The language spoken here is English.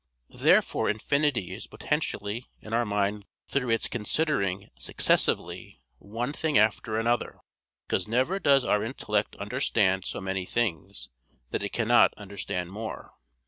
Therefore infinity is potentially in our mind through its considering successively one thing after another: because never does our intellect understand so many things, that it cannot understand more.